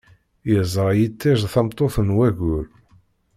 Yeẓra yiṭij tameṭṭut n waggur.